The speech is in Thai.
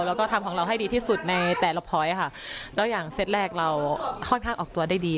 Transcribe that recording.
แล้วก็ทำของเราให้ดีที่สุดในแต่ละพอยต์ค่ะแล้วอย่างเซตแรกเราค่อนข้างออกตัวได้ดี